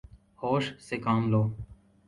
ہوش سے کام لو